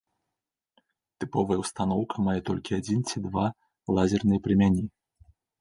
Тыповая ўстаноўка мае толькі адзін ці два лазерныя прамяні.